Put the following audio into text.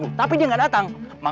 buka pintu mar